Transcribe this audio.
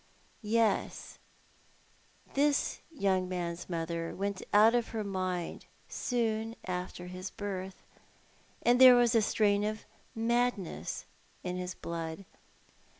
Yes ; this young man's mother went out of her mind soon after his birth, and there was a strain of madness in his blood.